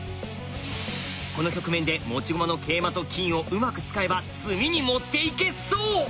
この局面で持ち駒の桂馬と金をうまく使えば詰みに持っていけそう！